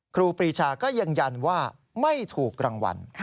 ครูปรีชาก็ยังยันว่าไม่ถูกรางวัล